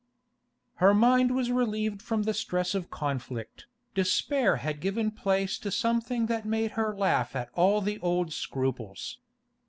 Her mind was relieved from the stress of conflict; despair had given place to something that made her laugh at all the old scruples.